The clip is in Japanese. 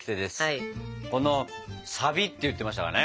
このサビって言ってましたからね。